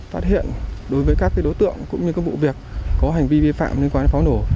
phát hiện đối với các đối tượng cũng như các vụ việc có hành vi vi phạm liên quan đến pháo nổ